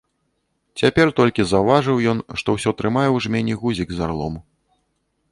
Цяпер толькі заўважыў ён, што ўсё трымае ў жмені гузік з арлом.